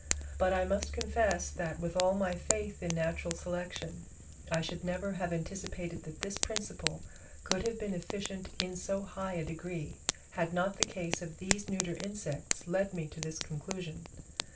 But I must confess, that, with all my faith in natural selection, I should never have anticipated that this principle could have been efficient in so high a degree, had not the case of these neuter insects led me to this conclusion.